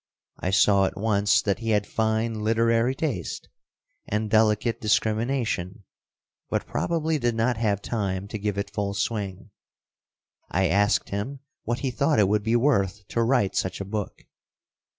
I saw at once that he had fine literary taste and delicate discrimination, but probably did not have time to give it full swing. I asked him what he thought it would be worth to write such a book.